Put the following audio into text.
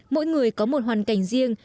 mỗi người có một hoàn cảnh riêng